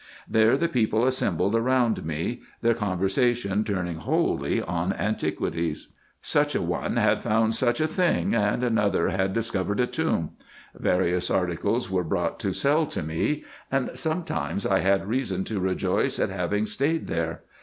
There the people assembled round me, their conversation turning wholly on antiquities. Such a one had found such a thing, and another had discovered a tomb. Various articles were brought to sell to me, and sometimes I had reason to rejoice at having stayed there.